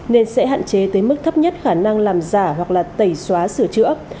nên sẽ hạn chế tới mức thấp nhất khả năng làm giả hoặc là tẩy xóa sửa chữa